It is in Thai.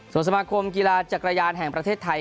ส่วนสมาคมกีฬาจักรยานแห่งประเทศไทย